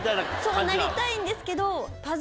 そうなりたいんですけど。